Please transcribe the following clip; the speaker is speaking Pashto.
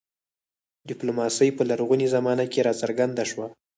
ډیپلوماسي په لرغونې زمانه کې راڅرګنده شوه